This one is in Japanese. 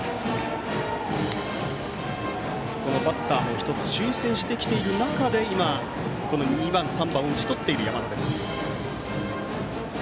バッターも、１つ修正してきている中で２番、３番を打ち取っている山田です。